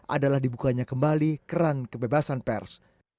adalah dibukanya kembali keran kebebasan pers